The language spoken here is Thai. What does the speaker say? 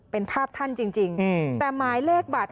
เป็นภาพท่านจริงแต่หมายเลขบัตร